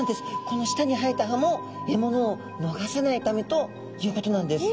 この舌に生えた歯もえものをのがさないためということなんです。